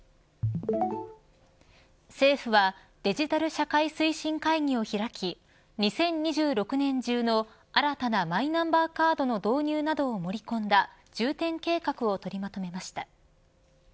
政府はデジタル社会推進会議を開き２０２６年中の新たなマイナンバーカードの導入などを盛り込んだ重点計画を取りまとめました。